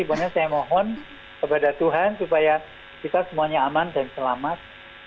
pokoknya saya mohon kepada tuhan supaya kita semuanya aman dan selamat